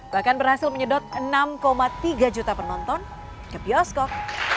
bahkan berhasil menyedot enam tiga juta penonton ke bioskop